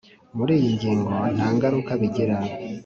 muri iyi ngingo nta ngaruka bigira